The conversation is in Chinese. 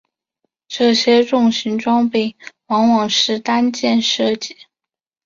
这些重型装备往往是单件设计。